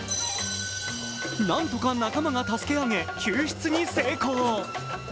なんとか仲間が助け上げ救出に成功。